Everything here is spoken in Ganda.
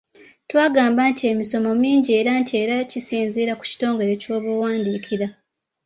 Twagamba nti emisono mingi era nti era kisinziira ku kitongole ky’oba owandiikira.